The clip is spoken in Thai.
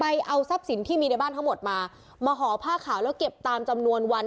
เอาทรัพย์สินที่มีในบ้านทั้งหมดมามาห่อผ้าขาวแล้วเก็บตามจำนวนวัน